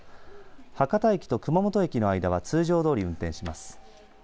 博多駅と熊本駅の間は通常どおり運転します。